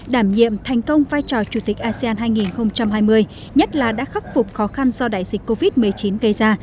đảm nhiệm thành công vai trò chủ tịch asean hai nghìn hai mươi nhất là đã khắc phục khó khăn do đại dịch covid một mươi chín gây ra